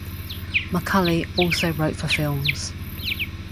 McCulley also wrote for films.